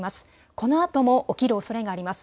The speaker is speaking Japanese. このあとも起きるおそれがあります。